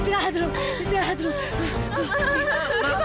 mereka ada lebih lagi